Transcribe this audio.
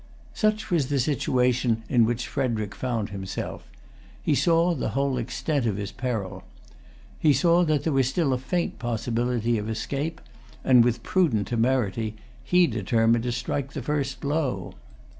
Such was the situation in which Frederic found himself. He saw the whole extent of his peril. He saw that there was still a faint possibility of escape; and, with prudent temerity, he determined to strike the first blow.